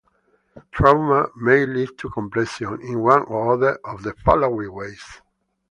Trauma may lead to compression in one or other of the following ways.